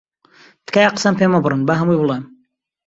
تکایە قسەم پێ مەبڕن، با هەمووی بڵێم.